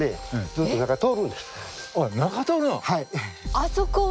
あそこを？